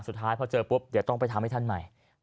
สุดท้ายพอเจอปุ๊บเดี๋ยวต้องไปทำให้ท่านใหม่